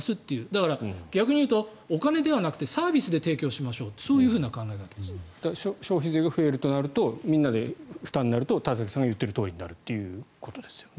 だから、逆に言うとお金ではなくてサービスで提供しましょうと消費税が増えるとなるとみんなで負担になると田崎さんが言っているとおりになるということですよね。